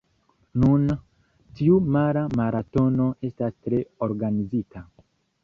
Nun, tiu mara maratono estas tre organizita.